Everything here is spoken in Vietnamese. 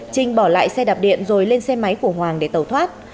trinh bỏ lại xe đạp điện rồi lên xe máy của hoàng để tẩu thoát